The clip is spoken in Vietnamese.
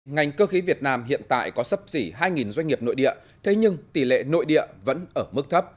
ngành cơ khí việt nam hiện tại có sắp xỉ hai doanh nghiệp nội địa thế nhưng tỷ lệ nội địa vẫn ở mức thấp